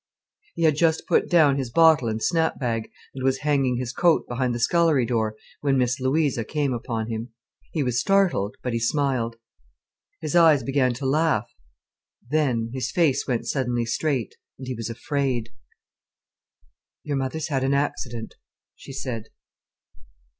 He had just put down his bottle and snap bag and was hanging his coat behind the scullery door, when Miss Louisa came upon him. He was startled, but he smiled. His eyes began to laugh—then his face went suddenly straight, and he was afraid. "Your mother's had an accident," she said.